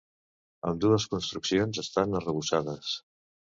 Ambdues construccions estan arrebossades.